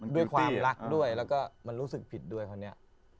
ด้วยความรักด้วยแล้วก็มันรู้สึกผิดด้วยคนนี้